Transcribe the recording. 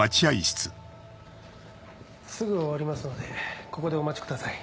すぐ終わりますのでここでお待ちください。